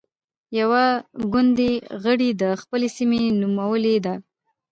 يوه ګوندي غړې د خپلې سيمې نومولې ده.